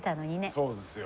そうですよ。